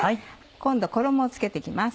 今度衣を付けて行きます。